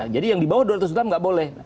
jadi yang di bawah dua ratus gram nggak boleh